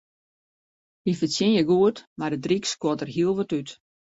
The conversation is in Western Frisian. Wy fertsjinje goed, mar it ryk skuort der hiel wat út.